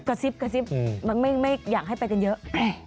กระซิบไม่อยากให้ไปกันเยอะ